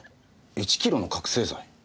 １キロの覚せい剤？